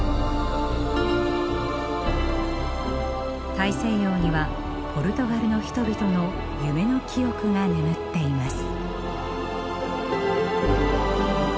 大西洋にはポルトガルの人々の夢の記憶が眠っています。